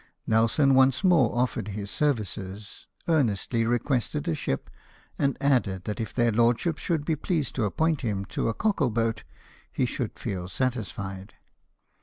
Nelson once more offered his services, earnestly requested a ship, and added that if their lordships should be pleased to appoint him to a cockle boat, he should feel satisfied.